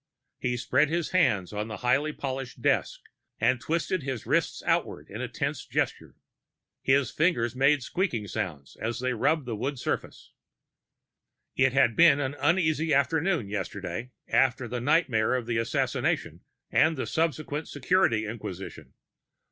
He spread his hands on the highly polished desk and twisted his wrists outward in a tense gesture. His fingers made squeaking sounds as they rubbed the wood surface. It had been an uneasy afternoon yesterday, after the nightmare of the assassination and the subsequent security inquisition.